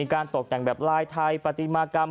การตกแต่งแบบลายไทยปฏิมากรรม